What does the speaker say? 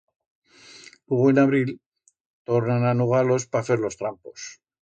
Lugo en abril tornan a nugar-los pa fer los trampos.